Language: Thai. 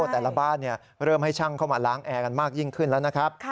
แต่ละบ้านเริ่มให้ช่างเข้ามาล้างแอร์กันมากยิ่งขึ้นแล้วนะครับ